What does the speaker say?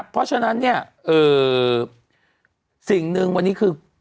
เพราะฉะนั้นเนี่ยสิ่งหนึ่งวันนี้คือ